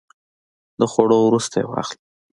د خوړو وروسته یی واخلئ